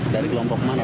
dari kelompok mana pak